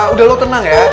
udah lo tenang ya